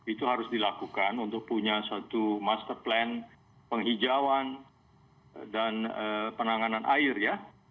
itu harus dilakukan untuk punya suatu master plan penghijauan dan penanganan air ya